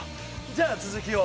じゃあ続きを。